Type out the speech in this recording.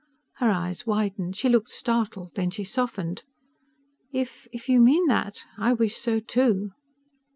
Her eyes widened. She looked startled. Then she softened. "If ... you mean that ... I wish so too."